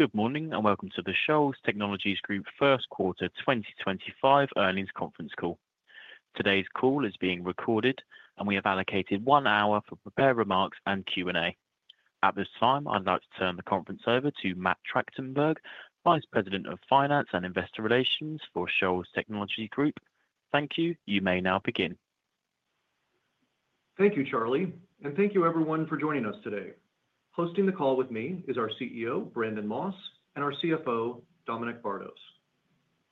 Good morning and welcome to the Shoals Technologies Group First Quarter 2025 earnings conference call. Today's call is being recorded, and we have allocated one hour for prepared remarks and Q&A. At this time, I'd like to turn the conference over to Matt Tractenberg, Vice President of Finance and Investor Relations for Shoals Technologies Group. Thank you. You may now begin. Thank you, Charlie, and thank you, everyone, for joining us today. Hosting the call with me is our CEO, Brandon Moss, and our CFO, Dominic Bardos.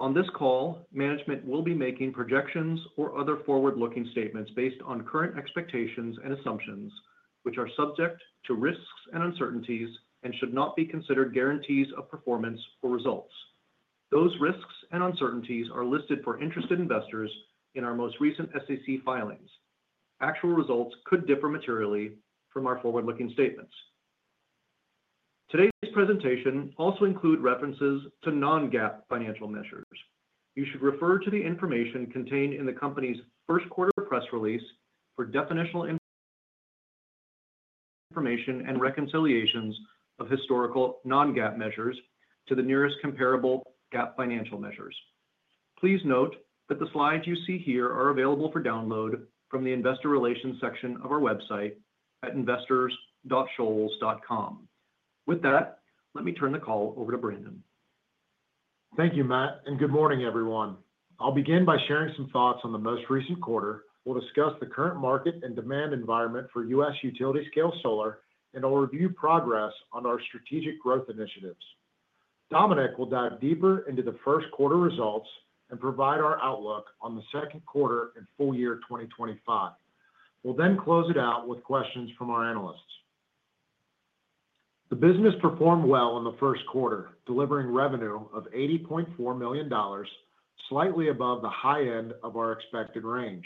On this call, management will be making projections or other forward-looking statements based on current expectations and assumptions, which are subject to risks and uncertainties and should not be considered guarantees of performance or results. Those risks and uncertainties are listed for interested investors in our most recent SEC filings. Actual results could differ materially from our forward-looking statements. Today's presentation also includes references to non-GAAP financial measures. You should refer to the information contained in the company's first quarter press release for definitional information and reconciliations of historical non-GAAP measures to the nearest comparable GAAP financial measures. Please note that the slides you see here are available for download from the Investor Relations section of our website at investors.shoals.com. With that, let me turn the call over to Brandon. Thank you, Matt, and good morning, everyone. I'll begin by sharing some thoughts on the most recent quarter. We'll discuss the current market and demand environment for U.S. utility-scale solar, and I'll review progress on our strategic growth initiatives. Dominic will dive deeper into the first quarter results and provide our outlook on the second quarter and full year 2025. We'll then close it out with questions from our analysts. The business performed well in the first quarter, delivering revenue of $80.4 million, slightly above the high end of our expected range.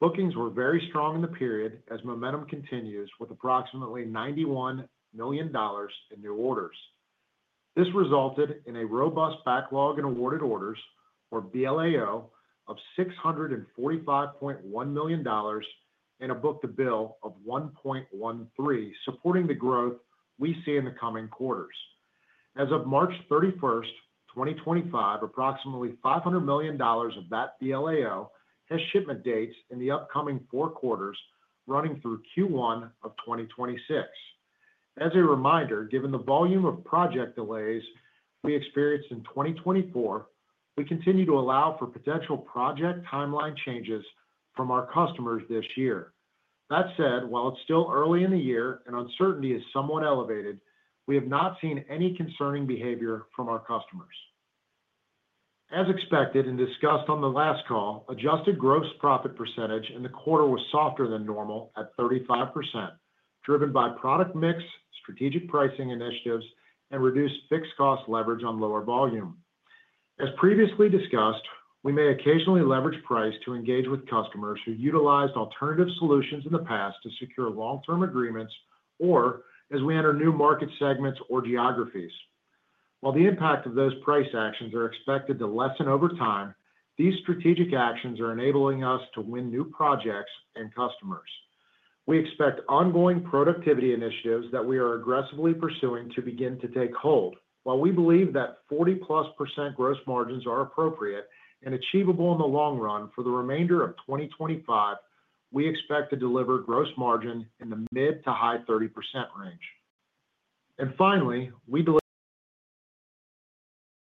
Bookings were very strong in the period as momentum continues with approximately $91 million in new orders. This resulted in a robust backlog in awarded orders, or BLAO, of $645.1 million and a book-to-bill of 1.13, supporting the growth we see in the coming quarters. As of March 31st, 2025, approximately $500 million of that BLAO has shipment dates in the upcoming four quarters running through Q1 of 2026. As a reminder, given the volume of project delays we experienced in 2024, we continue to allow for potential project timeline changes from our customers this year. That said, while it's still early in the year and uncertainty is somewhat elevated, we have not seen any concerning behavior from our customers. As expected and discussed on the last call, adjusted gross profit percentage in the quarter was softer than normal at 35%, driven by product mix, strategic pricing initiatives, and reduced fixed-cost leverage on lower volume. As previously discussed, we may occasionally leverage price to engage with customers who utilized alternative solutions in the past to secure long-term agreements or as we enter new market segments or geographies. While the impact of those price actions is expected to lessen over time, these strategic actions are enabling us to win new projects and customers. We expect ongoing productivity initiatives that we are aggressively pursuing to begin to take hold. While we believe that 40+% gross margins are appropriate and achievable in the long run, for the remainder of 2025, we expect to deliver gross margin in the mid to high 30% range. Finally, we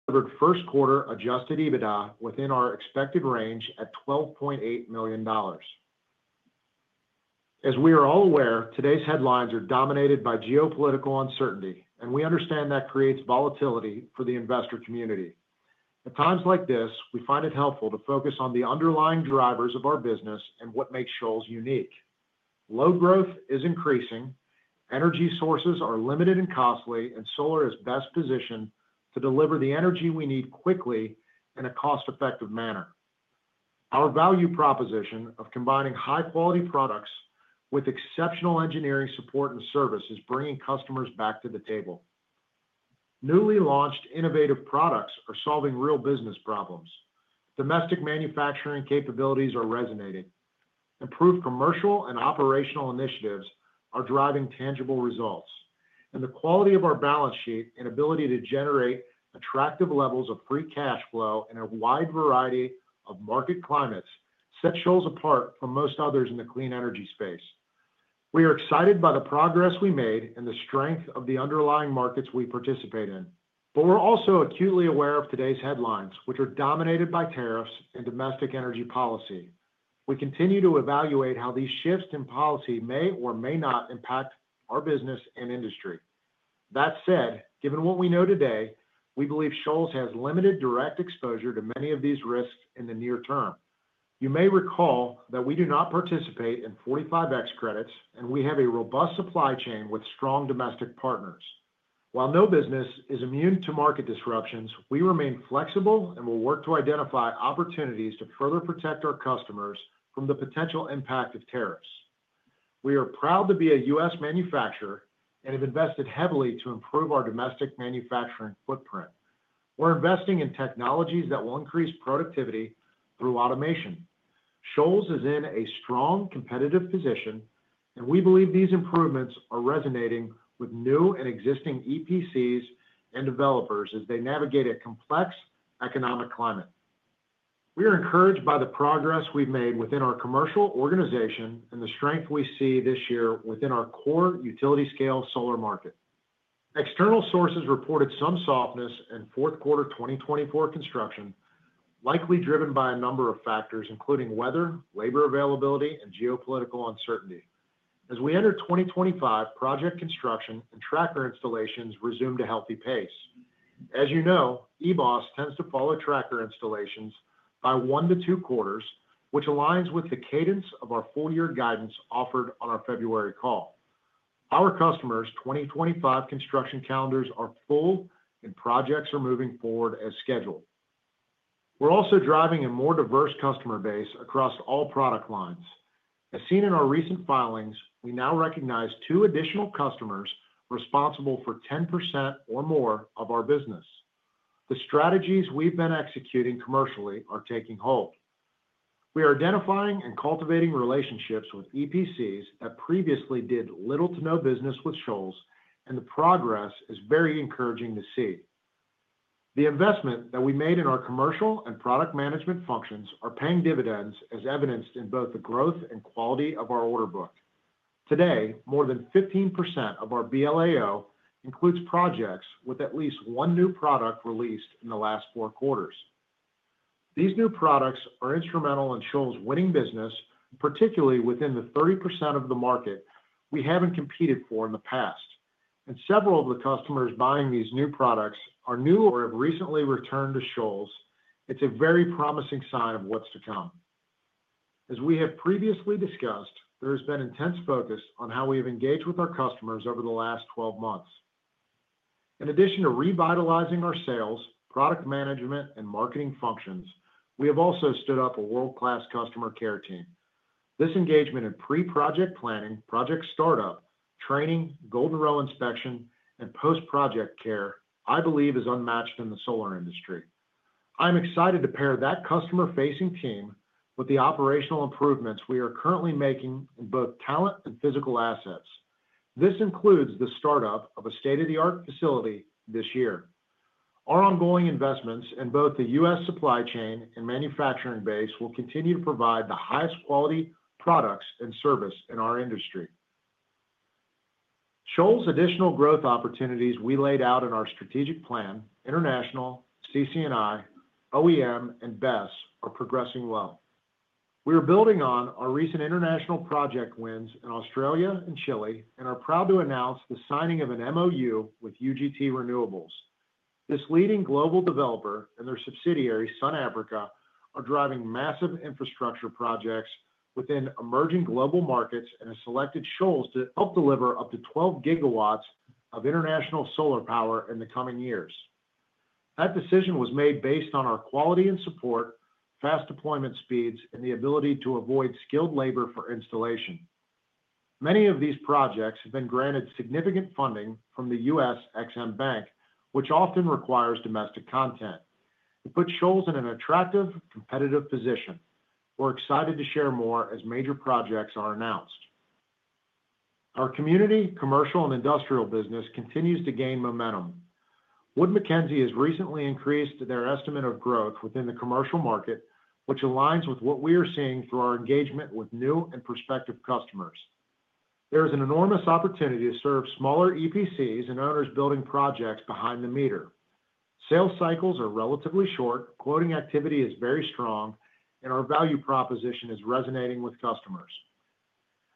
delivered first quarter adjusted EBITDA within our expected range at $12.8 million. As we are all aware, today's headlines are dominated by geopolitical uncertainty, and we understand that creates volatility for the investor community. At times like this, we find it helpful to focus on the underlying drivers of our business and what makes Shoals unique. Low growth is increasing, energy sources are limited and costly, and solar is best positioned to deliver the energy we need quickly in a cost-effective manner. Our value proposition of combining high-quality products with exceptional engineering support and service is bringing customers back to the table. Newly launched innovative products are solving real business problems. Domestic manufacturing capabilities are resonating. Improved commercial and operational initiatives are driving tangible results. The quality of our balance sheet and ability to generate attractive levels of free cash flow in a wide variety of market climates set Shoals apart from most others in the clean energy space. We are excited by the progress we made and the strength of the underlying markets we participate in. We are also acutely aware of today's headlines, which are dominated by tariffs and domestic energy policy. We continue to evaluate how these shifts in policy may or may not impact our business and industry. That said, given what we know today, we believe Shoals has limited direct exposure to many of these risks in the near term. You may recall that we do not participate in 45X credits, and we have a robust supply chain with strong domestic partners. While no business is immune to market disruptions, we remain flexible and will work to identify opportunities to further protect our customers from the potential impact of tariffs. We are proud to be a U.S. manufacturer and have invested heavily to improve our domestic manufacturing footprint. We're investing in technologies that will increase productivity through automation. Shoals is in a strong competitive position, and we believe these improvements are resonating with new and existing EPCs and developers as they navigate a complex economic climate. We are encouraged by the progress we've made within our commercial organization and the strength we see this year within our core utility-scale solar market. External sources reported some softness in fourth quarter 2024 construction, likely driven by a number of factors, including weather, labor availability, and geopolitical uncertainty. As we enter 2025, project construction and tracker installations resumed a healthy pace. As you know, EBOS tends to follow tracker installations by one to two quarters, which aligns with the cadence of our full-year guidance offered on our February call. Our customers' 2025 construction calendars are full, and projects are moving forward as scheduled. We're also driving a more diverse customer base across all product lines. As seen in our recent filings, we now recognize two additional customers responsible for 10% or more of our business. The strategies we've been executing commercially are taking hold. We are identifying and cultivating relationships with EPCs that previously did little to no business with Shoals, and the progress is very encouraging to see. The investment that we made in our commercial and product management functions is paying dividends, as evidenced in both the growth and quality of our order book. Today, more than 15% of our BLAO includes projects with at least one new product released in the last four quarters. These new products are instrumental in Shoals' winning business, particularly within the 30% of the market we have not competed for in the past. Several of the customers buying these new products are new or have recently returned to Shoals. It is a very promising sign of what is to come. As we have previously discussed, there has been intense focus on how we have engaged with our customers over the last 12 months. In addition to revitalizing our sales, product management, and marketing functions, we have also stood up a world-class customer care team. This engagement in pre-project planning, project startup, training, Golden Row Inspection, and post-project care, I believe, is unmatched in the solar industry. I'm excited to pair that customer-facing team with the operational improvements we are currently making in both talent and physical assets. This includes the startup of a state-of-the-art facility this year. Our ongoing investments in both the U.S. supply chain and manufacturing base will continue to provide the highest quality products and service in our industry. Shoals' additional growth opportunities we laid out in our strategic plan, international, CC&I, OEM, and BESS, are progressing well. We are building on our recent international project wins in Australia and Chile and are proud to announce the signing of an MoU with UGT Renewables. This leading global developer and their subsidiary, Sun Africa, are driving massive infrastructure projects within emerging global markets and have selected Shoals to help deliver up to 12 GW of international solar power in the coming years. That decision was made based on our quality and support, fast deployment speeds, and the ability to avoid skilled labor for installation. Many of these projects have been granted significant funding from the U.S. EXIM Bank, which often requires domestic content. It puts Shoals in an attractive, competitive position. We're excited to share more as major projects are announced. Our community, commercial, and industrial business continues to gain momentum. Wood Mackenzie has recently increased their estimate of growth within the commercial market, which aligns with what we are seeing through our engagement with new and prospective customers. There is an enormous opportunity to serve smaller EPCs and owners building projects behind the meter. Sales cycles are relatively short, quoting activity is very strong, and our value proposition is resonating with customers.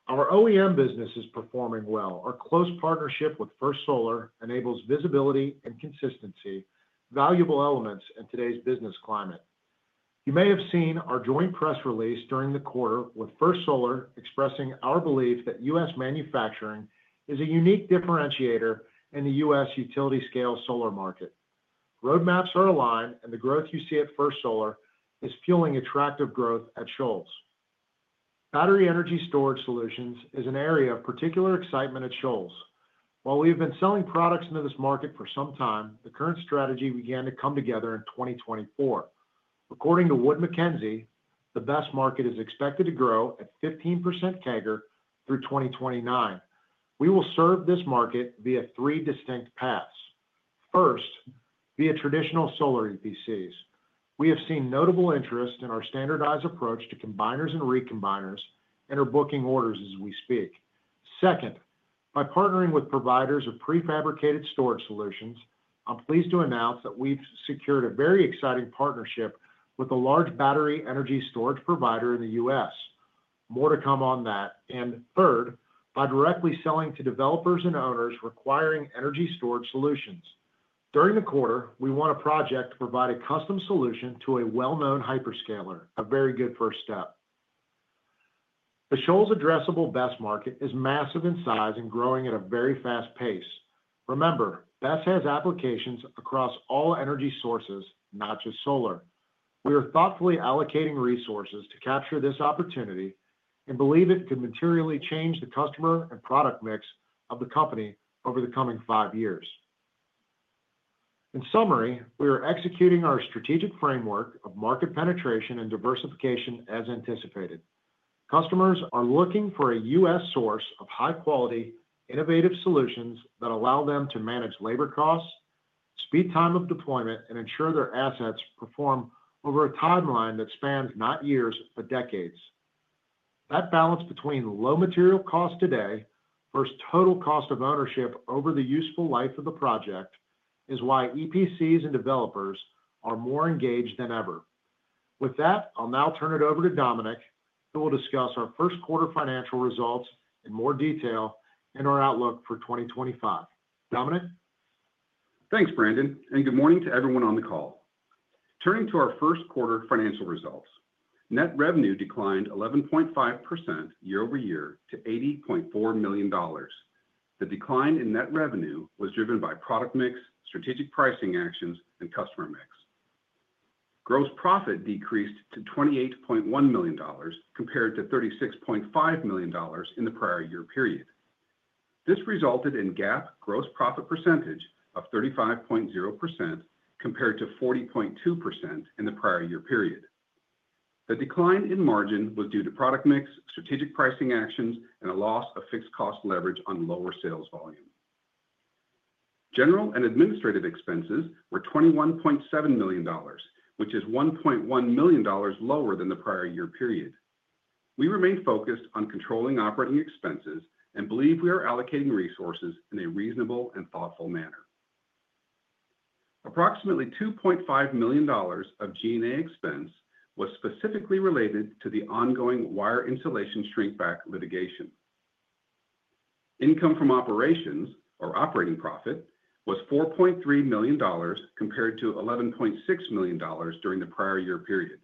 Our OEM business is performing well. Our close partnership with First Solar enables visibility and consistency, valuable elements in today's business climate. You may have seen our joint press release during the quarter with First Solar expressing our belief that U.S. manufacturing is a unique differentiator in the U.S. utility-scale solar market. Roadmaps are aligned, and the growth you see at First Solar is fueling attractive growth at Shoals. Battery energy storage solutions is an area of particular excitement at Shoals. While we have been selling products into this market for some time, the current strategy began to come together in 2024. According to Wood Mackenzie, the BESS market is expected to grow at 15% CAGR through 2029. We will serve this market via three distinct paths. First, via tradition al solar EPCs. We have seen notable interest in our standardized approach to combiners and recombiners and are booking orders as we speak. Second, by partnering with providers of prefabricated storage solutions, I'm pleased to announce that we've secured a very exciting partnership with a large battery energy storage provider in the U.S. More to come on that. Third, by directly selling to developers and owners requiring energy storage solutions. During the quarter, we won a project to provide a custom solution to a well-known hyperscaler. A very good first step. The Shoals addressable BESS market is massive in size and growing at a very fast pace. Remember, BESS has applications across all energy sources, not just solar. We are thoughtfully allocating resources to capture this opportunity and believe it could materially change the customer and product mix of the company over the coming five years. In summary, we are executing our strategic framework of market penetration and diversification as anticipated. Customers are looking for a U.S. source of high-quality, innovative solutions that allow them to manage labor costs, speed time of deployment, and ensure their assets perform over a timeline that spans not years, but decades. That balance between low material cost today versus total cost of ownership over the useful life of the project is why EPCs and developers are more engaged than ever. With that, I'll now turn it over to Dominic, who will discuss our first quarter financial results in more detail and our outlook for 2025. Dominic? Thanks, Brandon, and good morning to everyone on the call. Turning to our first quarter financial results, net revenue declined 11.5% year-over-year to $80.4 million. The decline in net revenue was driven by product mix, strategic pricing actions, and customer mix. Gross profit decreased to $28.1 million compared to $36.5 million in the prior year period. This resulted in GAAP gross profit percentage of 35.0% compared to 40.2% in the prior year period. The decline in margin was due to product mix, strategic pricing actions, and a loss of fixed-cost leverage on lower sales volume. General and administrative expenses were $21.7 million, which is $1.1 million lower than the prior year period. We remain focused on controlling operating expenses and believe we are allocating resources in a reasonable and thoughtful manner. Approximately $2.5 million of G&A expense was specifically related to the ongoing wire insulation shrinkback litigation. Income from operations, or operating profit, was $4.3 million compared to $11.6 million during the prior year period.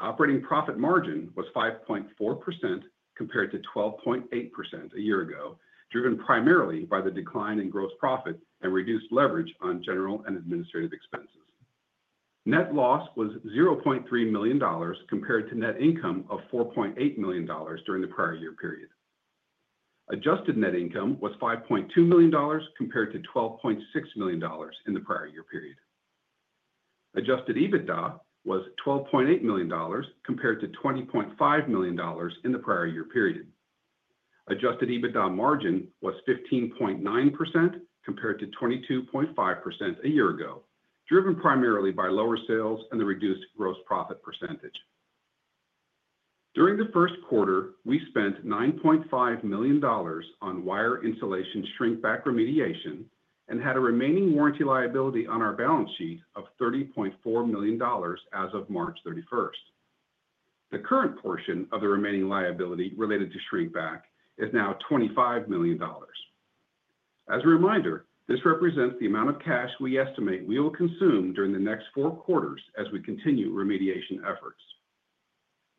Operating profit margin was 5.4% compared to 12.8% a year ago, driven primarily by the decline in gross profit and reduced leverage on general and administrative expenses. Net loss was $0.3 million compared to net income of $4.8 million during the prior year period. Adjusted net income was $5.2 million compared to $12.6 million in the prior year period. Adjusted EBITDA was $12.8 million compared to $20.5 million in the prior year period. Adjusted EBITDA margin was 15.9% compared to 22.5% a year ago, driven primarily by lower sales and the reduced gross profit percentage. During the first quarter, we spent $9.5 million on wire insulation shrinkback remediation and had a remaining warranty liability on our balance sheet of $30.4 million as of March 31st. The current portion of the remaining liability related to shrinkback is now $25 million. As a reminder, this represents the amount of cash we estimate we will consume during the next four quarters as we continue remediation efforts.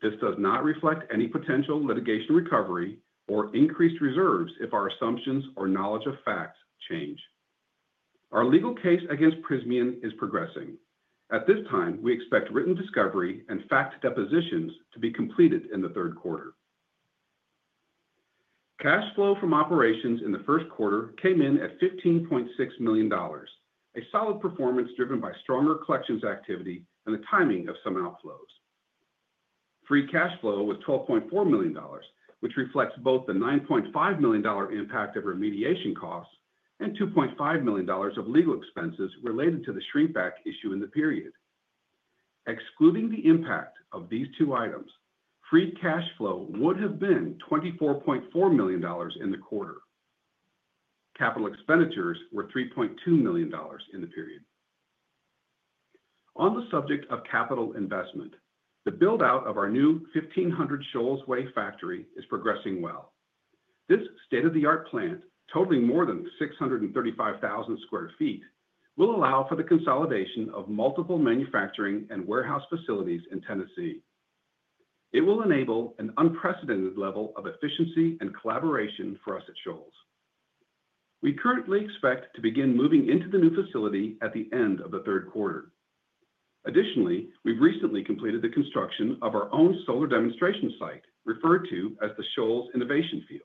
This does not reflect any potential litigation recovery or increased reserves if our assumptions or knowledge of facts change. Our legal case against Prysmian is progressing. At this time, we expect written discovery and fact depositions to be completed in the third quarter. Cash flow from operations in the first quarter came in at $15.6 million, a solid performance driven by stronger collections activity and the timing of some outflows. Free cash flow was $12.4 million, which reflects both the $9.5 million impact of remediation costs and $2.5 million of legal expenses related to the shrinkback issue in the period. Excluding the impact of these two items, free cash flow would have been $24.4 million in the quarter. Capital expenditures were $3.2 million in the period. On the subject of capital investment, the build-out of our new 1,500 Shoals Way factory is progressing well. This state-of-the-art plant, totaling more than 635,000 sq ft, will allow for the consolidation of multiple manufacturing and warehouse facilities in Tennessee. It will enable an unprecedented level of efficiency and collaboration for us at Shoals. We currently expect to begin moving into the new facility at the end of the third quarter. Additionally, we've recently completed the construction of our own solar demonstration site, referred to as the Shoals Innovation Field.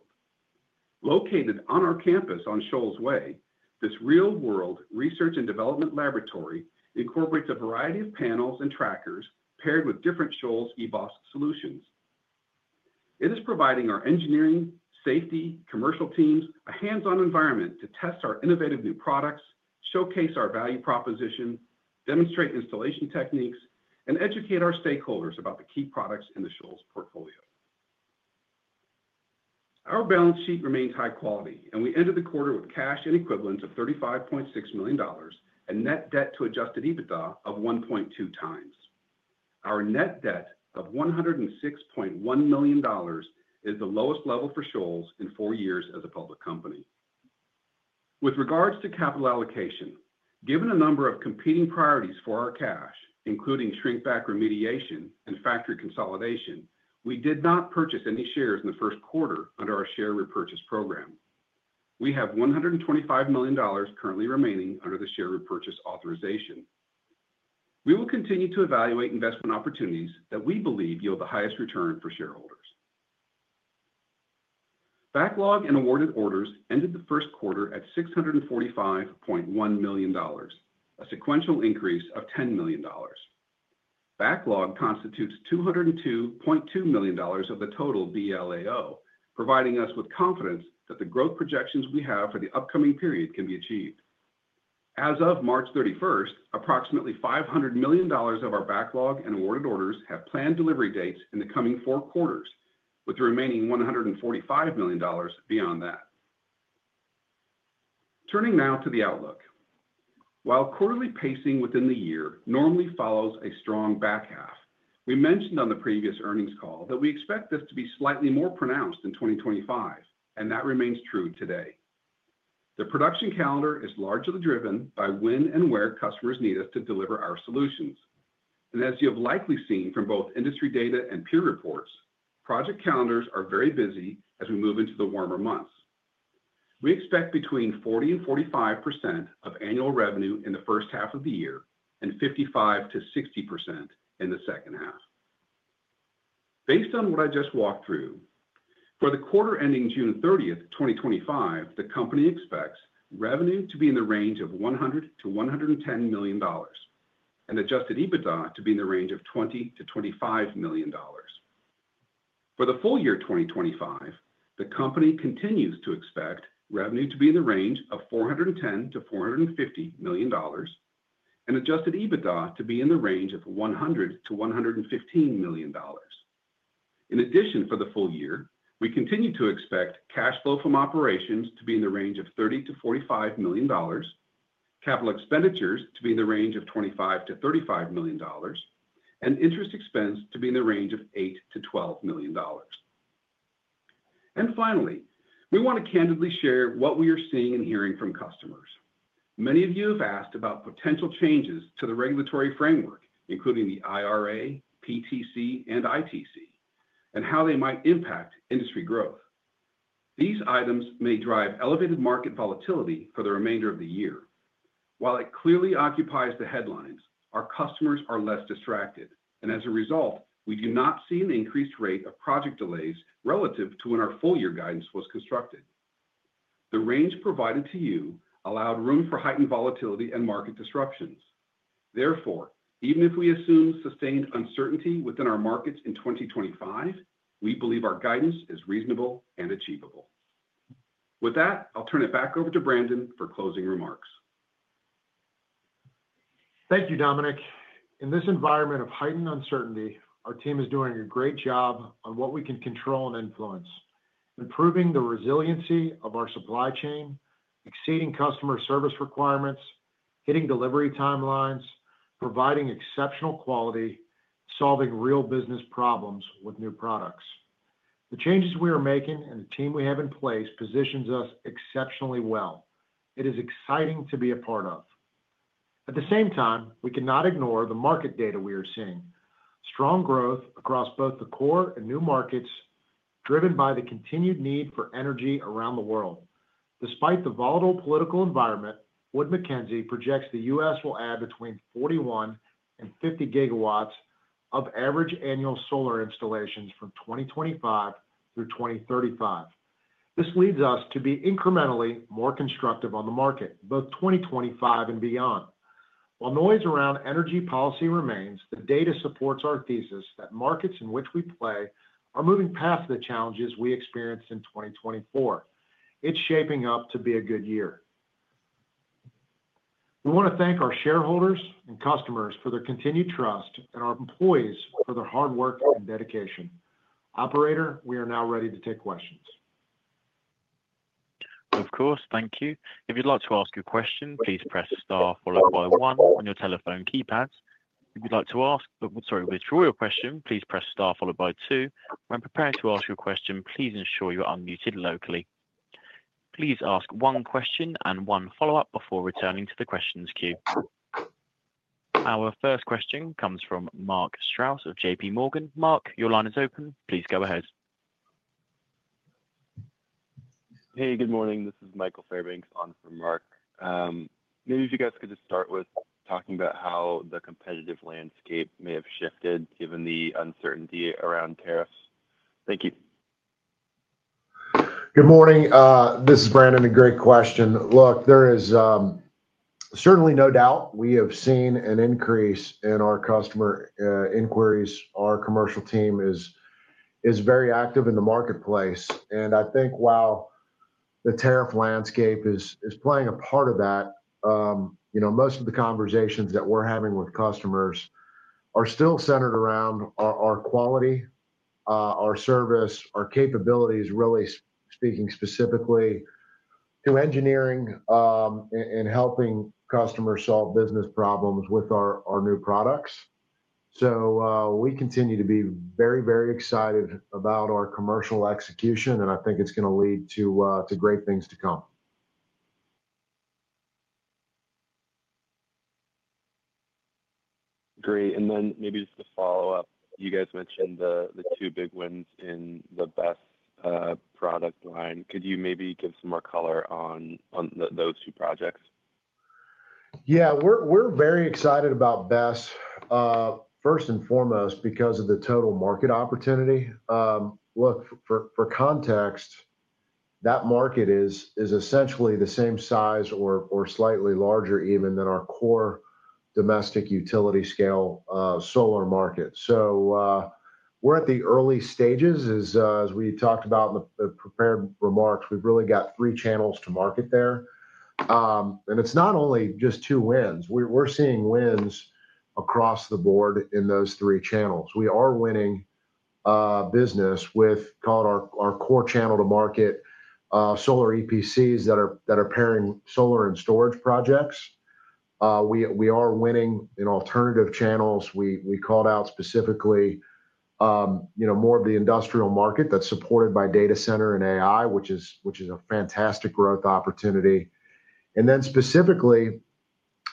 Located on our campus on Shoals Way, this real-world research and development laboratory incorporates a variety of panels and trackers paired with different Shoals EBOS solutions. It is providing our engineering, safety, commercial teams a hands-on environment to test our innovative new products, showcase our value proposition, demonstrate installation techniques, and educate our stakeholders about the key products in the Shoals portfolio. Our balance sheet remains high quality, and we ended the quarter with cash and equivalent of $35.6 million and net debt to adjusted EBITDA of 1.2x. Our net debt of $106.1 million is the lowest level for Shoals in four years as a public company. With regards to capital allocation, given a number of competing priorities for our cash, including shrinkback remediation and factory consolidation, we did not purchase any shares in the first quarter under our share repurchase program. We have $125 million currently remaining under the share repurchase authorization. We will continue to evaluate investment opportunities that we believe yield the highest return for shareholders. Backlog and awarded orders ended the first quarter at $645.1 million, a sequential increase of $10 million. Backlog constitutes $202.2 million of the total BLAO, providing us with confidence that the growth projections we have for the upcoming period can be achieved. As of March 31st, approximately $500 million of our backlog and awarded orders have planned delivery dates in the coming four quarters, with the remaining $145 million beyond that. Turning now to the outlook. While quarterly pacing within the year normally follows a strong back half, we mentioned on the previous earnings call that we expect this to be slightly more pronounced in 2025, and that remains true today. The production calendar is largely driven by when and where customers need us to deliver our solutions. As you have likely seen from both industry data and peer reports, project calendars are very busy as we move into the warmer months. We expect between 40%-45% of annual revenue in the first half of the year and 55%-60% in the second half. Based on what I just walked through, for the quarter ending June 30th, 2025, the company expects revenue to be in the range of $100 million-$110 million and adjusted EBITDA to be in the range of $20 million-$25 million. For the full year 2025, the company continues to expect revenue to be in the range of $410 million-$450 million and adjusted EBITDA to be in the range of $100 million-$115 million. In addition, for the full year, we continue to expect cash flow from operations to be in the range of $30 million-$45 million, capital expenditures to be in the range of $25 million-$35 million, and interest expense to be in the range of $8 million-$12 million. Finally, we want to candidly share what we are seeing and hearing from customers. Many of you have asked about potential changes to the regulatory framework, including the IRA, PTC, and ITC, and how they might impact industry growth. These items may drive elevated market volatility for the remainder of the year. While it clearly occupies the headlines, our customers are less distracted, and as a result, we do not see an increased rate of project delays relative to when our full year guidance was constructed. The range provided to you allowed room for heightened volatility and market disruptions. Therefore, even if we assume sustained uncertainty within our markets in 2025, we believe our guidance is reasonable and achievable. With that, I'll turn it back over to Brandon for closing remarks. Thank you, Dominic. In this environment of heightened uncertainty, our team is doing a great job on what we can control and influence, improving the resiliency of our supply chain, exceeding customer service requirements, hitting delivery timelines, providing exceptional quality, solving real business problems with new products. The changes we are making and the team we have in place positions us exceptionally well. It is exciting to be a part of. At the same time, we cannot ignore the market data we are seeing. Strong growth across both the core and new markets, driven by the continued need for energy around the world. Despite the volatile political environment, Wood Mackenzie projects the U.S. will add between 41 and 50 GW of average annual solar installations from 2025 through 2035. This leads us to be incrementally more constructive on the market, both 2025 and beyond. While noise around energy policy remains, the data supports our thesis that markets in which we play are moving past the challenges we experienced in 2024. It's shaping up to be a good year. We want to thank our shareholders and customers for their continued trust and our employees for their hard work and dedication. Operator, we are now ready to take questions. Of course. Thank you. If you'd like to ask a question, please press Star followed by One on your telephone keypad. If you'd like to withdraw your question, please press Star followed by Two. When preparing to ask your question, please ensure you're unmuted locally. Please ask one question and one follow-up before returning to the questions queue. Our first question comes from Mark Strouse of JPMorgan. Mark, your line is open. Please go ahead. Hey, good morning. This is Michael Fairbanks on for Mark. Maybe if you guys could just start with talking about how the competitive landscape may have shifted given the uncertainty around tariffs. Thank you. Good morning. This is Brandon. A great question. Look, there is certainly no doubt we have seen an increase in our customer inquiries. Our commercial team is very active in the marketplace. I think while the tariff landscape is playing a part of that, most of the conversations that we're having with customers are still centered around our quality, our service, our capabilities, really speaking specifically to engineering and helping customers solve business problems with our new products. We continue to be very, very excited about our commercial execution, and I think it's going to lead to great things to come. Great. Maybe just to follow up, you guys mentioned the two big wins in the BESS product line. Could you maybe give some more color on those two projects? Yeah. We're very excited about BESS, first and foremost, because of the total market opportunity. Look, for context, that market is essentially the same size or slightly larger even than our core domestic utility scale solar market. We're at the early stages, as we talked about in the prepared remarks. We've really got three channels to market there. It's not only just two wins. We're seeing wins across the board in those three channels. We are winning business with our core channel to market solar EPCs that are pairing solar and storage projects. We are winning in alternative channels. We called out specifically more of the industrial market that's supported by data center and AI, which is a fantastic growth opportunity. Specifically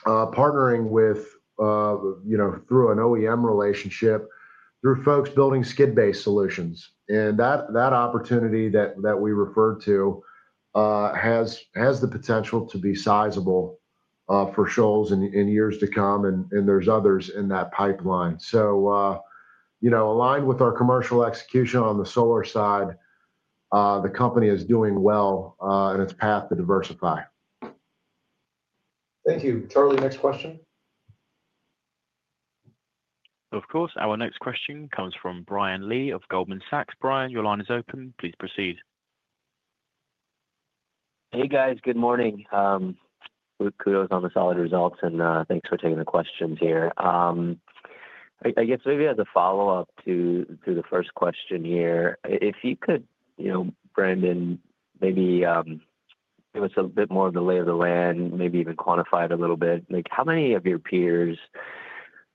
partnering through an OEM relationship through folks building skid-based solutions. That opportunity that we referred to has the potential to be sizable for Shoals in years to come, and there are others in that pipeline. Aligned with our commercial execution on the solar side, the company is doing well in its path to diversify. Thank you. Charlie, next question. Of course. Our next question comes from Brian Lee of Goldman Sachs. Brian, your line is open. Please proceed. Hey, guys. Good morning. Kudos on the solid results, and thanks for taking the questions here. I guess maybe as a follow-up to the first question here, if you could, Brandon, maybe give us a bit more of the lay of the land, maybe even quantify it a little bit. How many of your peers,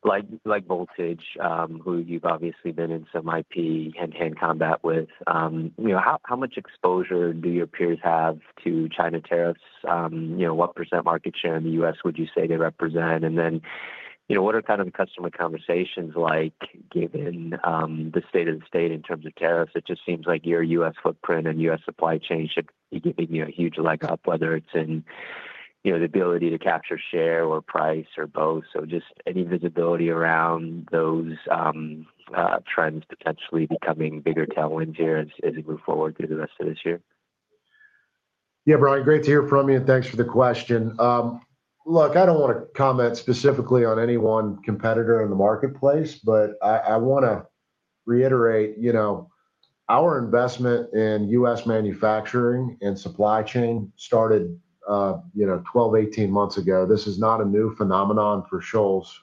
like Voltage, who you've obviously been in some IP hand-to-hand combat with, how much exposure do your peers have to China tariffs? What percent market share in the U.S. would you say they represent? What are kind of the customer conversations like given the state of the state in terms of tariffs? It just seems like your U.S. footprint and U.S. supply chain should be giving you a huge leg up, whether it's in the ability to capture share or price or both. Just any visibility around those trends potentially becoming bigger tailwinds here as you move forward through the rest of this year? Yeah, Brian, great to hear from you, and thanks for the question. Look, I do not want to comment specifically on any one competitor in the marketplace, but I want to reiterate our investment in U.S. manufacturing and supply chain started 12, 18 months ago. This is not a new phenomenon for Shoals.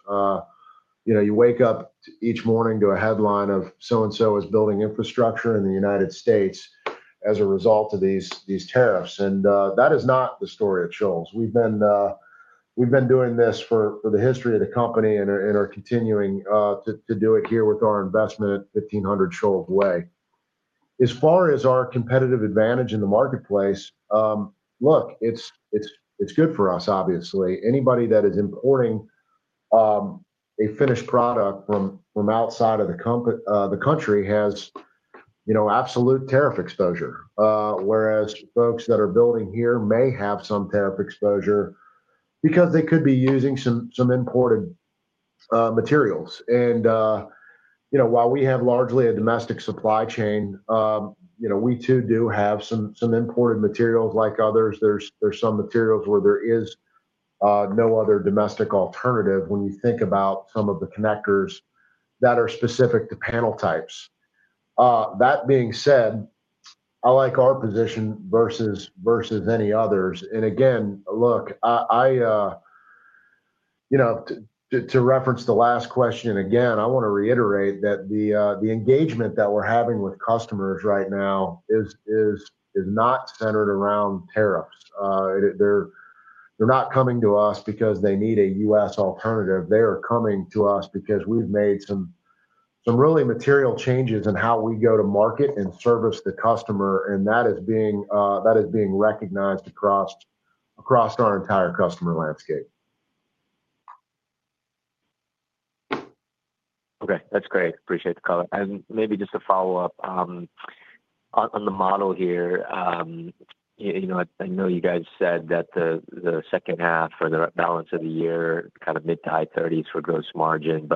You wake up each morning to a headline of so-and-so is building infrastructure in the United States as a result of these tariffs. That is not the story at Shoals. We have been doing this for the history of the company and are continuing to do it here with our investment 1,500 Shoals away. As far as our competitive advantage in the marketplace, look, it is good for us, obviously. Anybody that is importing a finished product from outside of the country has absolute tariff exposure, whereas folks that are building here may have some tariff exposure because they could be using some imported materials. While we have largely a domestic supply chain, we too do have some imported materials like others. There are some materials where there is no other domestic alternative when you think about some of the connectors that are specific to panel types. That being said, I like our position versus any others. Again, to reference the last question, I want to reiterate that the engagement that we are having with customers right now is not centered around tariffs. They are not coming to us because they need a U.S. alternative. They are coming to us because we've made some really material changes in how we go to market and service the customer, and that is being recognized across our entire customer landscape. Okay. That's great. Appreciate the color. Maybe just a follow-up on the model here. I know you guys said that the second half or the balance of the year, kind of mid to high 30% for gross margin,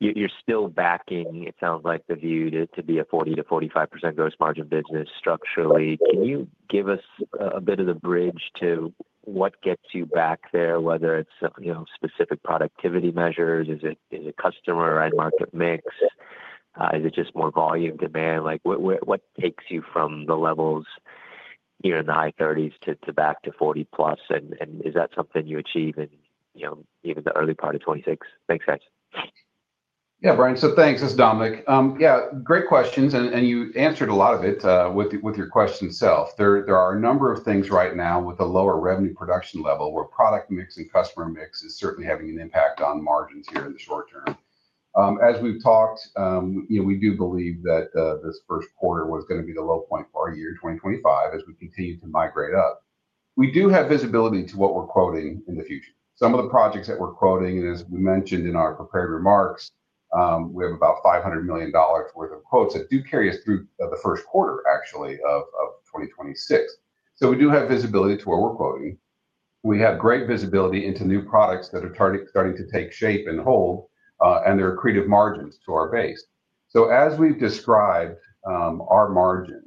but you're still backing, it sounds like, the view to be a 40%-45% gross margin business structurally. Can you give us a bit of the bridge to what gets you back there, whether it's specific productivity measures? Is it customer or end market mix? Is it just more volume demand? What takes you from the levels here in the high 30% to back to 40+? Is that something you achieve in even the early part of 2026? Thanks, guys. Yeah, Brian. Thanks. This is Dominic. Great questions, and you answered a lot of it with your question itself. There are a number of things right now with a lower revenue production level where product mix and customer mix is certainly having an impact on margins here in the short term. As we've talked, we do believe that this first quarter was going to be the low point for our year 2025 as we continue to migrate up. We do have visibility to what we're quoting in the future. Some of the projects that we're quoting, and as we mentioned in our prepared remarks, we have about $500 million worth of quotes that do carry us through the first quarter, actually, of 2026. We do have visibility to where we're quoting. We have great visibility into new products that are starting to take shape and hold, and there are creative margins to our base. As we have described our margins,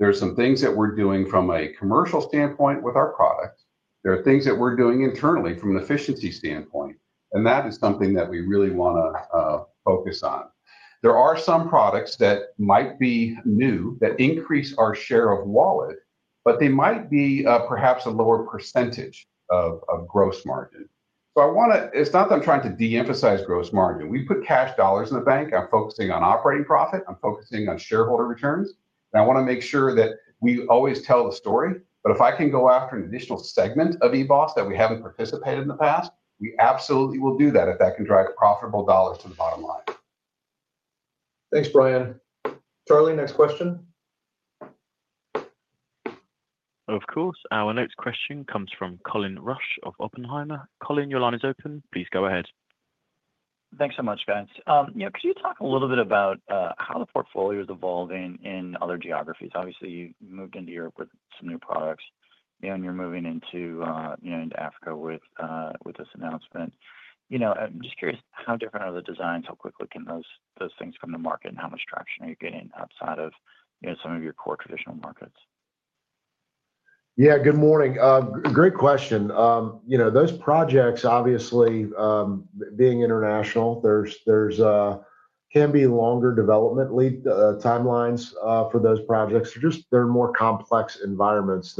there are some things that we are doing from a commercial standpoint with our products. There are things that we are doing internally from an efficiency standpoint, and that is something that we really want to focus on. There are some products that might be new that increase our share of wallet, but they might be perhaps a lower % of gross margin. I want to—it's not that I'm trying to deemphasize gross margin. We put cash dollars in the bank. I'm focusing on operating profit. I'm focusing on shareholder returns. I want to make sure that we always tell the story. If I can go after an additional segment of EBOS that we have not participated in the past, we absolutely will do that if that can drive profitable dollars to the bottom line. Thanks, Brian. Charlie, next question. Of course. Our next question comes from Colin Rusch of Oppenheimer. Colin, your line is open. Please go ahead. Thanks so much, guys. Could you talk a little bit about how the portfolio is evolving in other geographies? Obviously, you moved into Europe with some new products, and you are moving into Africa with this announcement. I am just curious, how different are the designs? How quickly can those things come to market, and how much traction are you getting outside of some of your core traditional markets? Yeah. Good morning. Great question. Those projects, obviously, being international, there can be longer development timelines for those projects. They're more complex environments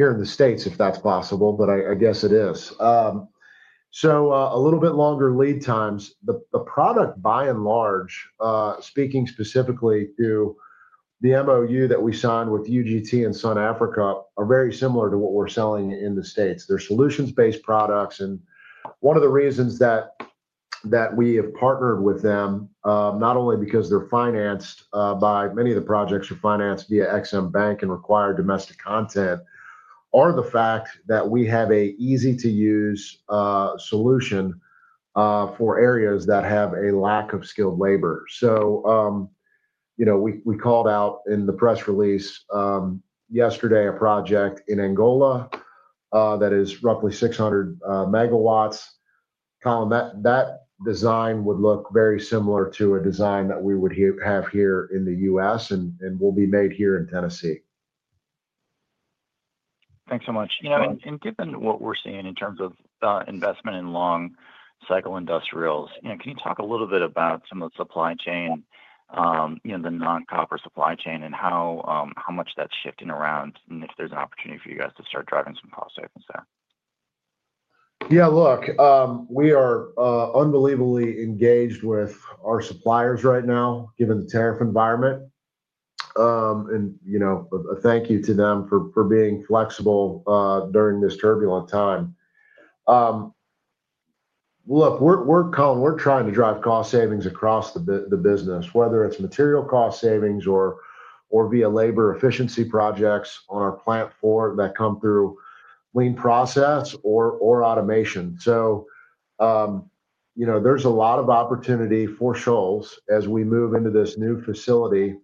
than here in the States, if that's possible, but I guess it is. A little bit longer lead times. The product, by and large, speaking specifically to the MoU that we signed with UGT and Sun Africa, are very similar to what we're selling in the States. They're solutions-based products. One of the reasons that we have partnered with them, not only because many of the projects are financed via EXIM Bank and require domestic content, is the fact that we have an easy-to-use solution for areas that have a lack of skilled labor. We called out in the press release yesterday a project in Angola that is roughly 600 MW. That design would look very similar to a design that we would have here in the U.S. and will be made here in Tennessee. Thanks so much. Given what we're seeing in terms of investment in long-cycle industrials, can you talk a little bit about some of the supply chain, the non-copper supply chain, and how much that's shifting around, and if there's an opportunity for you guys to start driving some cost savings there? Yeah. Look, we are unbelievably engaged with our suppliers right now, given the tariff environment. And a thank you to them for being flexible during this turbulent time. Look, Colin, we're trying to drive cost savings across the business, whether it's material cost savings or via labor efficiency projects on our plant floor that come through lean process or automation. There's a lot of opportunity for Shoals as we move into this new facility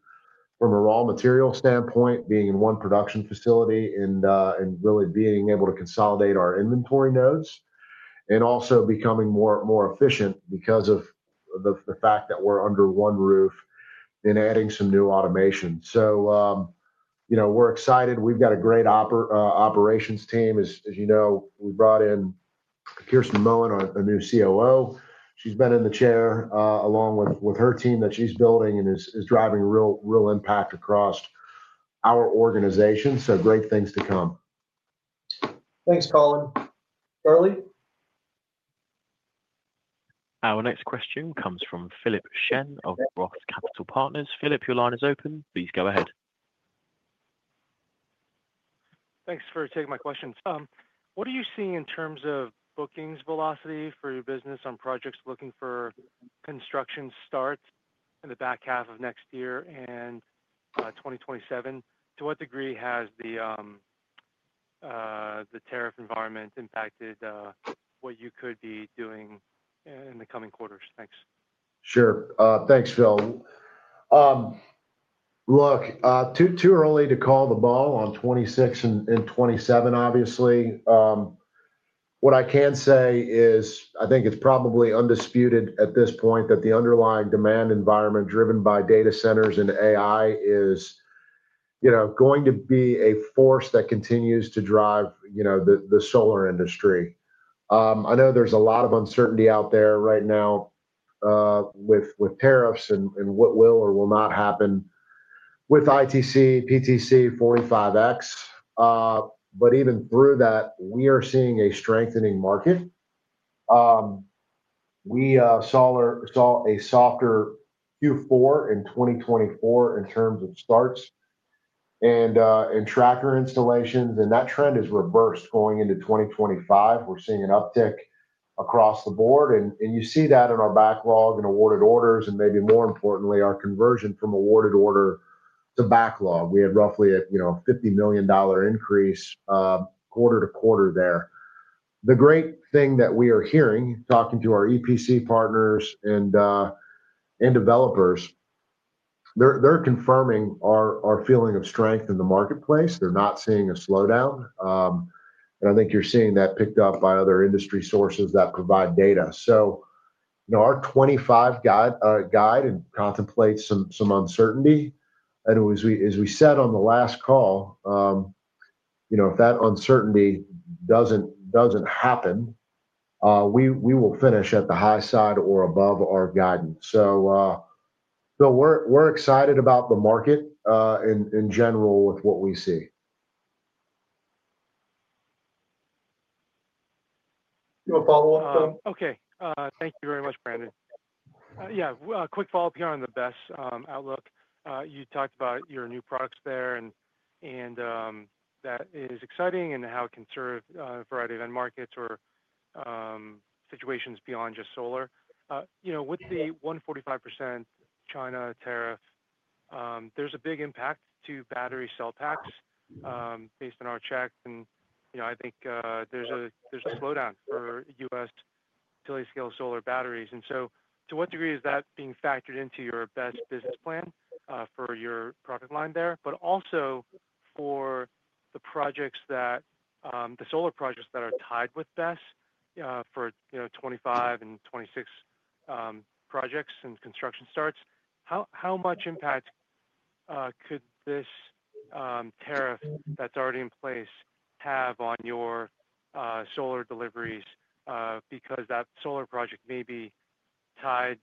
from a raw material standpoint, being in one production facility and really being able to consolidate our inventory nodes and also becoming more efficient because of the fact that we're under one roof and adding some new automation. We're excited. We've got a great operations team. As you know, we brought in Kirsten Moen, our new COO. She's been in the chair along with her team that she's building and is driving real impact across our organization. Great things to come. Thanks, Colin. Charlie? Our next question comes from Philip Shen of ROTH Capital Partners. Philip, your line is open. Please go ahead. Thanks for taking my question. What are you seeing in terms of bookings velocity for your business on projects looking for construction starts in the back half of next year and 2027? To what degree has the tariff environment impacted what you could be doing in the coming quarters? Thanks. Sure. Thanks, Phil. Look, too early to call the ball on 2026 and 2027, obviously. What I can say is I think it's probably undisputed at this point that the underlying demand environment driven by data centers and AI is going to be a force that continues to drive the solar industry. I know there's a lot of uncertainty out there right now with tariffs and what will or will not happen with ITC, PTC, 45X. Even through that, we are seeing a strengthening market. We saw a softer Q4 in 2024 in terms of starts and tracker installations. That trend is reversed going into 2025. We're seeing an uptick across the board. You see that in our backlog and awarded orders and maybe more importantly, our conversion from awarded order to backlog. We had roughly a $50 million increase quarter-to-quarter there. The great thing that we are hearing, talking to our EPC partners and developers, they're confirming our feeling of strength in the marketplace. They're not seeing a slowdown. I think you're seeing that picked up by other industry sources that provide data. Our 2025 guide contemplates some uncertainty. As we said on the last call, if that uncertainty does not happen, we will finish at the high side or above our guidance. We're excited about the market in general with what we see. Do you want to follow up? Okay. Thank you very much, Brandon. Yeah. Quick follow-up here on the BESS outlook. You talked about your new products there, and that is exciting and how it can serve a variety of end markets or situations beyond just solar. With the 145% China tariff, there is a big impact to battery cell packs based on our check. I think there is a slowdown for U.S. utility-scale solar batteries. To what degree is that being factored into your BESS business plan for your product line there, but also for the solar projects that are tied with BESS for 2025 and 2026 projects and construction starts? How much impact could this tariff that is already in place have on your solar deliveries because that solar project may be tied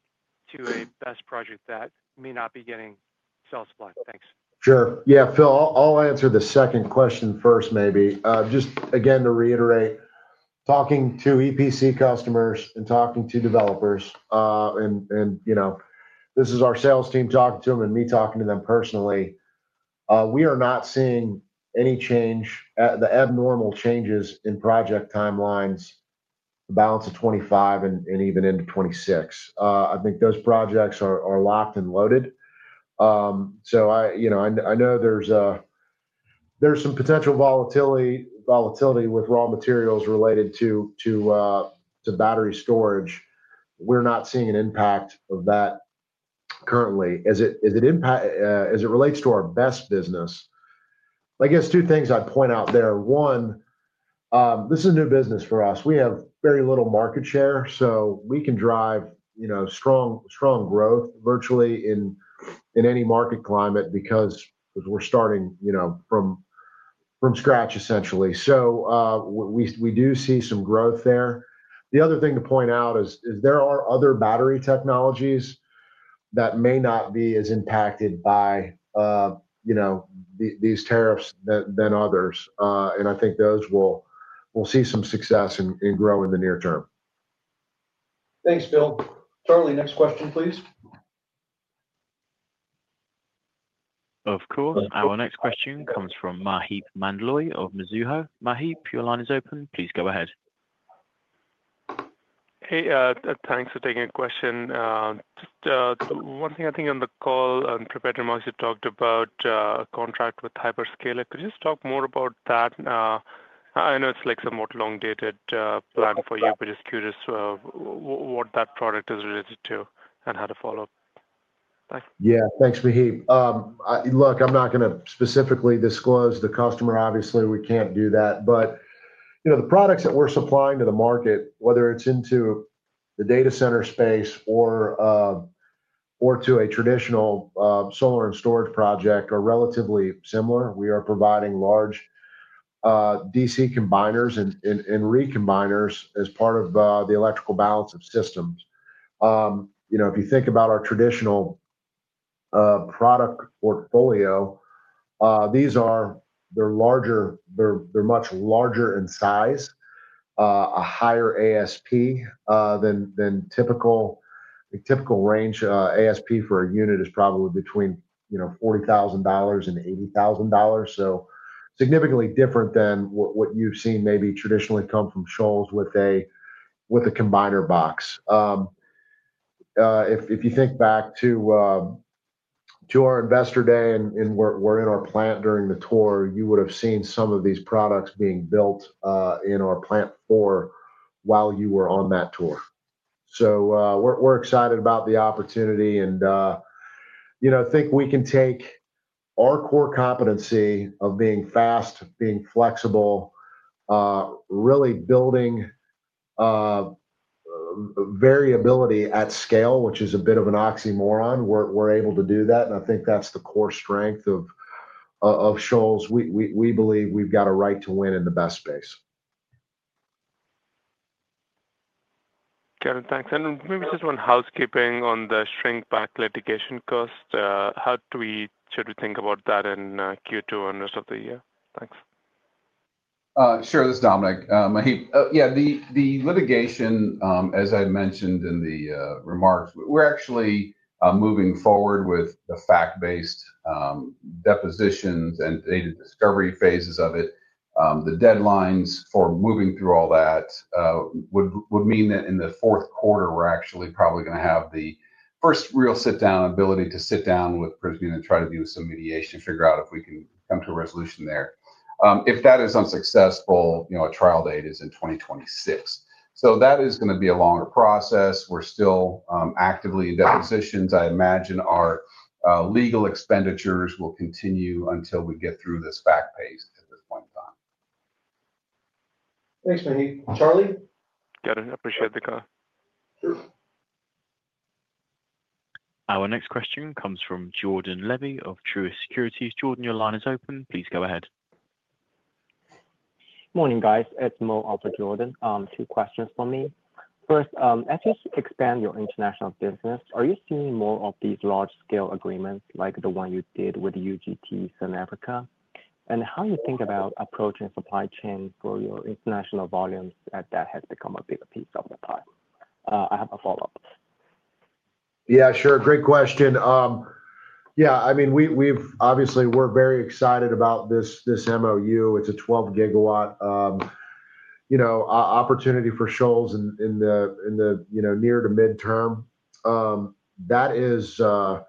to a BESS project that may not be getting cell supply? Thanks. Sure. Yeah. Phil, I will answer the second question first, maybe. Just again, to reiterate, talking to EPC customers and talking to developers, and this is our sales team talking to them and me talking to them personally, we are not seeing any change, the abnormal changes in project timelines, the balance of 2025 and even into 2026. I think those projects are locked and loaded. I know there's some potential volatility with raw materials related to battery storage. We're not seeing an impact of that currently. As it relates to our BESS business, I guess two things I'd point out there. One, this is new business for us. We have very little market share, so we can drive strong growth virtually in any market climate because we're starting from scratch, essentially. We do see some growth there. The other thing to point out is there are other battery technologies that may not be as impacted by these tariffs than others. I think those will see some success and grow in the near term. Thanks, Phil. Charlie, next question, please. Of course. Our next question comes from Maheep Mandloi of Mizuho. Maheep, your line is open. Please go ahead. Hey, thanks for taking a question. Just one thing I think on the call, in prepared remarks, you talked about a contract with Hyperscaler. Could you just talk more about that? I know it is like somewhat long-dated plan for you, but just curious what that product is related to and how to follow up. Yeah. Thanks, Maheep. Look, I am not going to specifically disclose the customer. Obviously, we cannot do that. The products that we're supplying to the market, whether it's into the data center space or to a traditional solar and storage project, are relatively similar. We are providing large DC combiners and recombiners as part of the electrical balance of systems. If you think about our traditional product portfolio, they're much larger in size, a higher ASP than typical range. ASP for a unit is probably between $40,000 and $80,000, so significantly different than what you've seen maybe traditionally come from Shoals with a combiner box. If you think back to our investor day and we're in our plant during the tour, you would have seen some of these products being built in our plant floor while you were on that tour. We're excited about the opportunity and think we can take our core competency of being fast, being flexible, really building variability at scale, which is a bit of an oxymoron. We're able to do that. I think that's the core strength of Shoals. We believe we've got a right to win in the BESS space. Kevin, thanks. Maybe just one housekeeping on the shrinkback litigation cost. How should we think about that in Q2 and rest of the year? Thanks. Sure. This is Dominic. Yeah. The litigation, as I mentioned in the remarks, we're actually moving forward with the fact-based depositions and data discovery phases of it. The deadlines for moving through all that would mean that in the fourth quarter, we're actually probably going to have the first real sit-down ability to sit down with Prysmian and try to do some mediation and figure out if we can come to a resolution there. If that is unsuccessful, a trial date is in 2026. That is going to be a longer process. We're still actively in depositions. I imagine our legal expenditures will continue until we get through this fact page at this point in time. Thanks, Maheep. Charlie? Got it. Appreciate the call. Sure. Our next question comes from Jordan Levy of Truist Securities. Jordan, your line is open. Please go ahead. Morning, guys. It's Mo on for Jordan. Two questions for me. First, as you expand your international business, are you seeing more of these large-scale agreements like the one you did with UGT, Sun Africa? How do you think about approaching supply chain for your international volumes as that has become a bigger piece of the pie? I have a follow-up. Yeah, sure. Great question. Yeah. I mean, obviously, we're very excited about this MoU. It's a 12-GW opportunity for Shoals in the near to midterm. That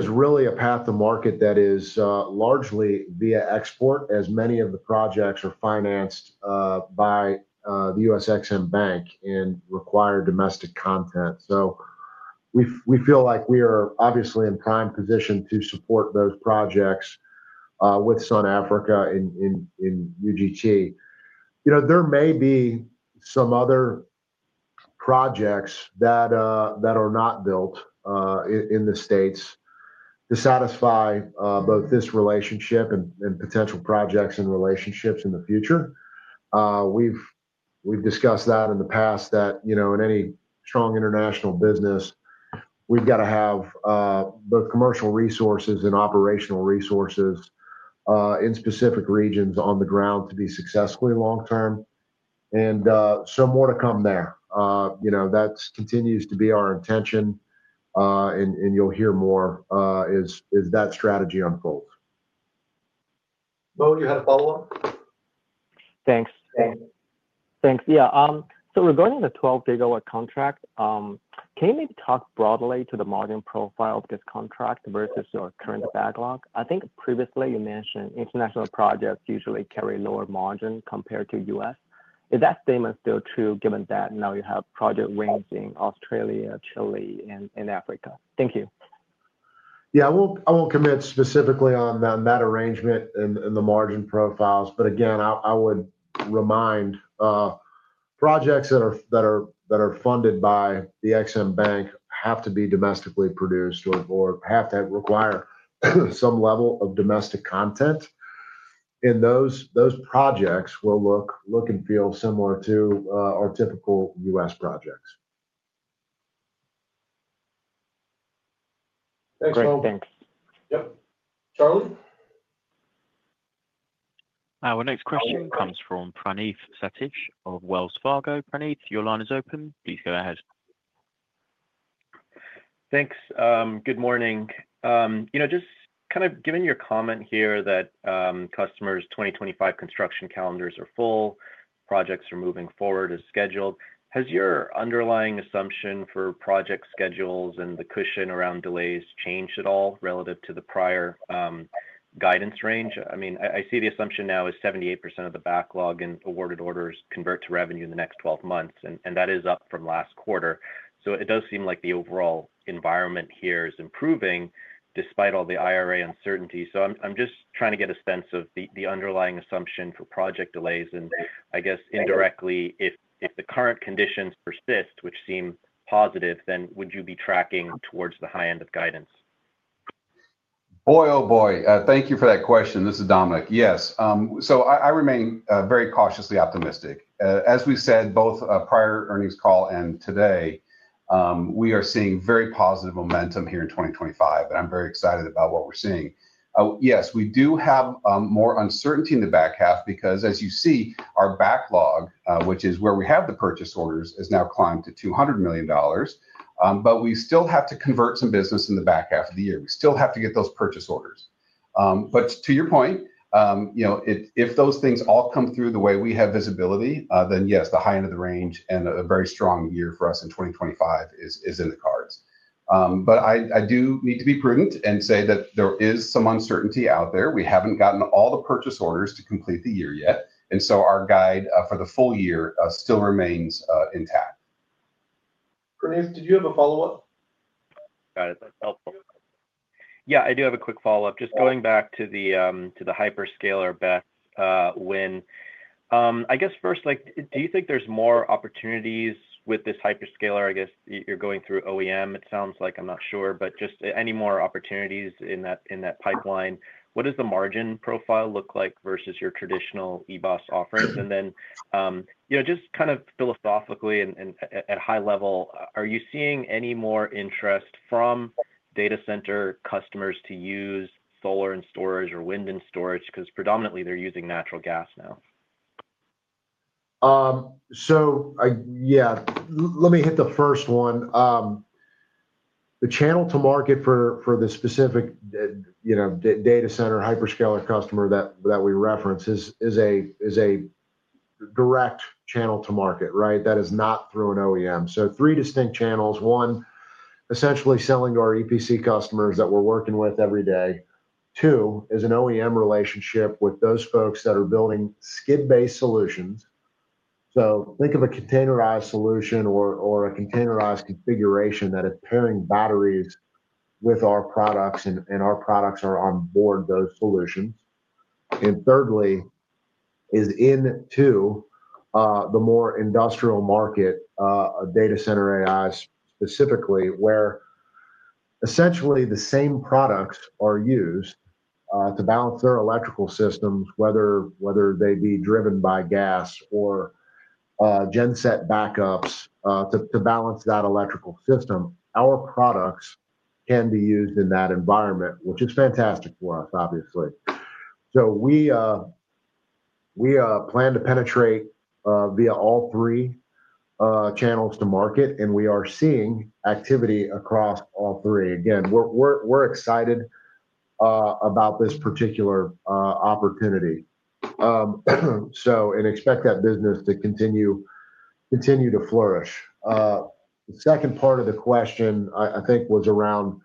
is really a path to market that is largely via export, as many of the projects are financed by the U.S. EXIM Bank and require domestic content. We feel like we are obviously in prime position to support those projects with Sun Africa and UGT. There may be some other projects that are not built in the states to satisfy both this relationship and potential projects and relationships in the future. We've discussed that in the past that in any strong international business, we've got to have both commercial resources and operational resources in specific regions on the ground to be successful long-term. That continues to be our intention, and you'll hear more as that strategy unfolds. Moe, you had a follow-up? Thanks. Yeah. Regarding the 12-GW contract, can you maybe talk broadly to the margin profile of this contract versus your current backlog? I think previously you mentioned international projects usually carry lower margin compared to U.S. Is that statement still true given that now you have project wins in Australia, Chile, and Africa? Thank you. Yeah. I won't comment specifically on that arrangement and the margin profiles. Again, I would remind projects that are funded by the EXIM Bank have to be domestically produced or have to require some level of domestic content. Those projects will look and feel similar to our typical U.S. projects. Thanks, Mo. Great. Thanks. Yep. Charlie? Our next question comes from Praneeth Satish of Wells Fargo. Praneeth, your line is open. Please go ahead. Thanks. Good morning. Just kind of given your comment here that customers' 2025 construction calendars are full, projects are moving forward as scheduled, has your underlying assumption for project schedules and the cushion around delays changed at all relative to the prior guidance range? I mean, I see the assumption now is 78% of the backlog and awarded orders convert to revenue in the next 12 months, and that is up from last quarter. It does seem like the overall environment here is improving despite all the IRA uncertainty. I am just trying to get a sense of the underlying assumption for project delays. I guess indirectly, if the current conditions persist, which seem positive, then would you be tracking towards the high end of guidance? Boy, oh boy. Thank you for that question. This is Dominic. Yes. I remain very cautiously optimistic. As we said, both prior earnings call and today, we are seeing very positive momentum here in 2025, and I am very excited about what we are seeing. Yes, we do have more uncertainty in the back half because, as you see, our backlog, which is where we have the purchase orders, has now climbed to $200 million. We still have to convert some business in the back half of the year. We still have to get those purchase orders. To your point, if those things all come through the way we have visibility, then yes, the high end of the range and a very strong year for us in 2025 is in the cards. I do need to be prudent and say that there is some uncertainty out there. We have not gotten all the purchase orders to complete the year yet. Our guide for the full year still remains intact. Praneeth, did you have a follow-up? Got it. That's helpful. Yeah. I do have a quick follow-up. Just going back to the Hyperscaler BESS win, I guess first, do you think there's more opportunities with this Hyperscaler? I guess you're going through OEM, it sounds like. I'm not sure. Just any more opportunities in that pipeline? What does the margin profile look like versus your traditional EBOS offerings? And then just kind of philosophically and at a high level, are you seeing any more interest from data center customers to use solar and storage or wind and storage? Because predominantly, they're using natural gas now. Yeah, let me hit the first one. The channel to market for the specific data center hyperscaler customer that we reference is a direct channel to market, right? That is not through an OEM. Three distinct channels. One, essentially selling to our EPC customers that we're working with every day. Two is an OEM relationship with those folks that are building skid-based solutions. Think of a containerized solution or a containerized configuration that is pairing batteries with our products, and our products are onboard those solutions. Thirdly is into the more industrial market, data center AI specifically, where essentially the same products are used to balance their electrical systems, whether they be driven by gas or genset backups to balance that electrical system. Our products can be used in that environment, which is fantastic for us, obviously. We plan to penetrate via all three channels to market, and we are seeing activity across all three. Again, we're excited about this particular opportunity and expect that business to continue to flourish. The second part of the question, I think, was around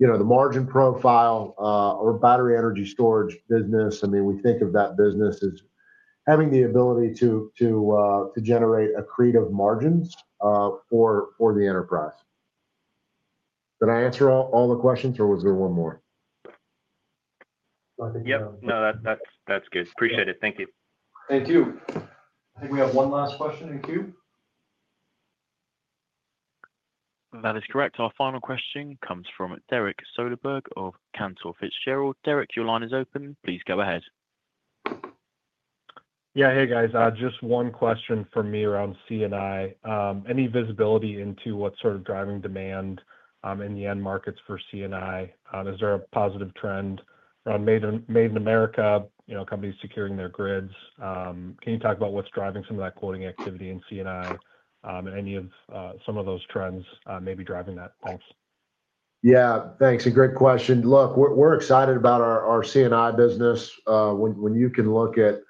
the margin profile or battery energy storage business. I mean, we think of that business as having the ability to generate accretive margins for the enterprise. Did I answer all the questions, or was there one more? Yep. No, that's good. Appreciate it. Thank you. Thank you. I think we have one last question in queue. That is correct. Our final question comes from Derek Soderberg of Cantor Fitzgerald. Derek, your line is open. Please go ahead. Yeah. Hey, guys. Just one question for me around C&I. Any visibility into what's sort of driving demand in the end markets for C&I? Is there a positive trend around made-in-America companies securing their grids? Can you talk about what's driving some of that quoting activity in C&I and any of some of those trends maybe driving that? Thanks. Yeah. Thanks. A great question. Look, we're excited about our C&I business. When you can look at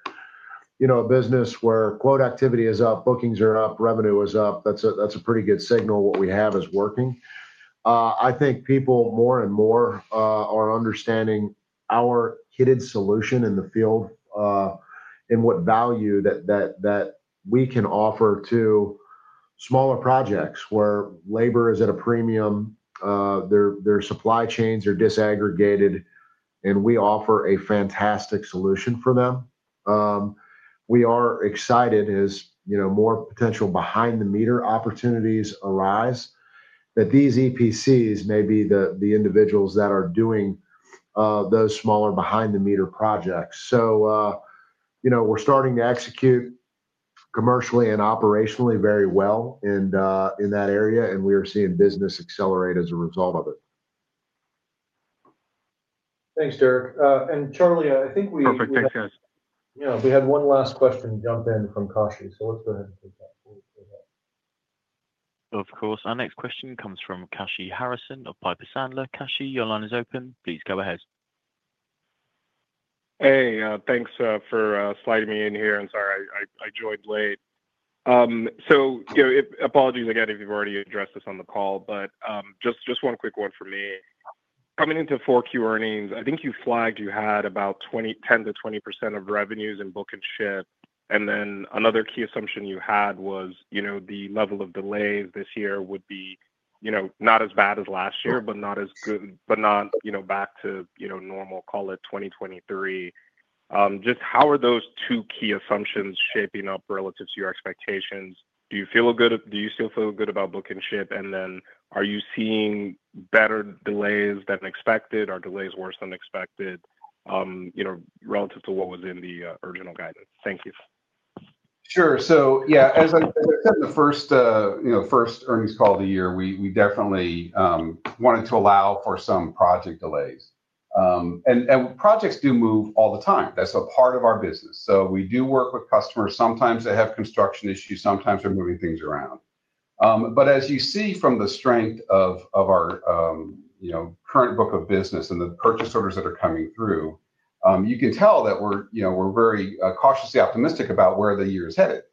a business where quote activity is up, bookings are up, revenue is up, that's a pretty good signal what we have is working. I think people more and more are understanding our hidden solution in the field and what value that we can offer to smaller projects where labor is at a premium, their supply chains are disaggregated, and we offer a fantastic solution for them. We are excited as more potential behind-the-meter opportunities arise that these EPCs may be the individuals that are doing those smaller behind-the-meter projects. We are starting to execute commercially and operationally very well in that area, and we are seeing business accelerate as a result of it. Thanks, Derek. Charlie, I think we— Perfect. Thanks, guys. Yeah. We had one last question jump in from Kashy. Let's go ahead and take that. Of course. Our next question comes from Kashy Harrison of Piper Sandler. Kashi, your line is open. Please go ahead. Hey. Thanks for sliding me in here. I'm sorry I joined late. Apologies again if you've already addressed this on the call, but just one quick one for me. Coming into 4Q earnings, I think you flagged you had about 10%-20% of revenues in book and ship. Another key assumption you had was the level of delays this year would be not as bad as last year, but not as good, but not back to normal, call it 2023. Just how are those two key assumptions shaping up relative to your expectations? Do you feel good? Do you still feel good about book and ship? Are you seeing better delays than expected or delays worse than expected relative to what was in the original guidance? Thank you. Sure. As I said, the first earnings call of the year, we definitely wanted to allow for some project delays. Projects do move all the time. That is a part of our business. We do work with customers. Sometimes they have construction issues. Sometimes they are moving things around. As you see from the strength of our current book of business and the purchase orders that are coming through, you can tell that we are very cautiously optimistic about where the year is headed.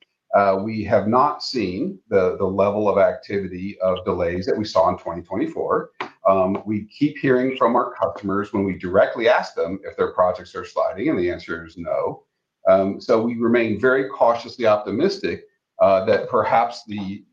We have not seen the level of activity of delays that we saw in 2024. We keep hearing from our customers when we directly ask them if their projects are sliding, and the answer is no. We remain very cautiously optimistic that perhaps the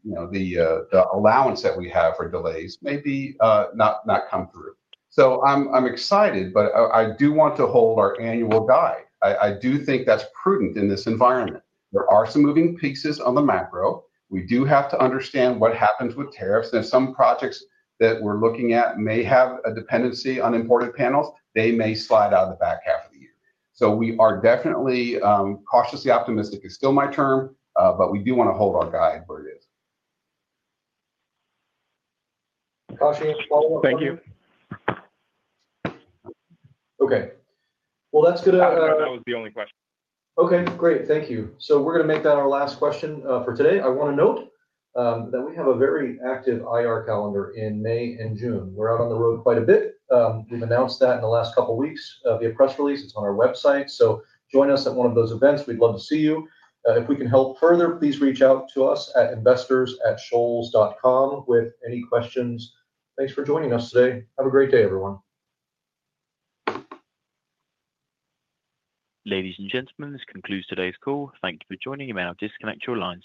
allowance that we have for delays may not come through. I am excited, but I do want to hold our annual guide. I do think that is prudent in this environment. There are some moving pieces on the macro. We do have to understand what happens with tariffs. There are some projects that we're looking at may have a dependency on imported panels. They may slide out of the back half of the year. We are definitely cautiously optimistic. It's still my term, but we do want to hold our guide where it is. Kashi, follow-up question? Thank you. Okay. That was the only question. Great. Thank you. We are going to make that our last question for today. I want to note that we have a very active IR calendar in May and June. We are out on the road quite a bit. We have announced that in the last couple of weeks via press release. It is on our website. Join us at one of those events. We would love to see you. If we can help further, please reach out to us at investors@shoals.com with any questions. Thanks for joining us today. Have a great day, everyone. Ladies and gentlemen, this concludes today's call. Thank you for joining. You may now disconnect your lines.